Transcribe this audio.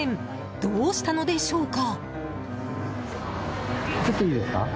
どうしたのでしょうか。